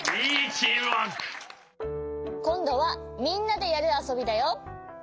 こんどはみんなでやるあそびだよ！